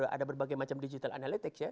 ada berbagai macam digital analytics ya